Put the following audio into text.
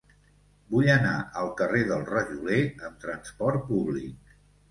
Vull anar al carrer del Rajoler amb trasport públic.